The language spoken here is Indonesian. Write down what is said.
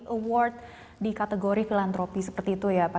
award di kategori filantropi seperti itu ya pak